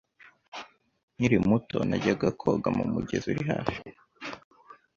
Nkiri muto, najyaga koga mu mugezi uri hafi.